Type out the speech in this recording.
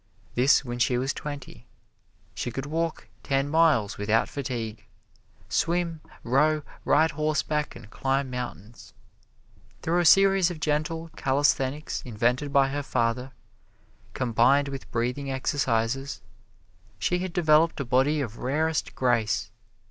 This when she was twenty. She could walk ten miles without fatigue; swim, row, ride horseback and climb mountains. Through a series of gentle calisthenics invented by her father, combined with breathing exercises, she had developed a body of rarest grace.